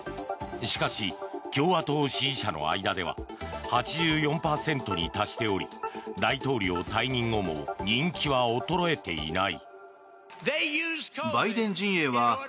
しかし、共和党支持者の間では８４％に達しており大統領退任後も人気は衰えていない。